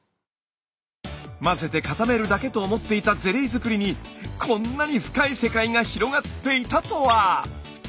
混ぜて固めるだけと思っていたゼリー作りにこんなに深い世界が広がっていたとは。